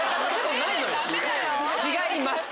違います